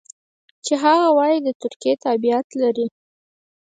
چې هغه وايي د ترکیې تابعیت لري.